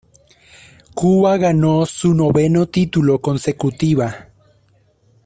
Cuba ganó su noveno título consecutiva.